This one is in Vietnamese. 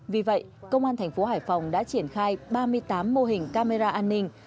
vì vậy công an thành phố hải phòng đã triển khai ba mươi tám mô hình camera an ninh